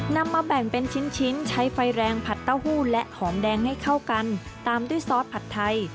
นำมาแบ่งเป็นชิ้นชิ้นใช้ไฟแรงผัดเต้าหู้และหอมแดงให้เข้ากันตามด้วยซอสผัดไทย